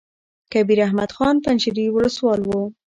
کبیر احمد خان پنجشېري ولسوال وو.